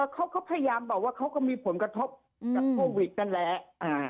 เขาก็พยายามบอกว่าเขาก็มีผลกระทบจากโควิดนั่นแหละ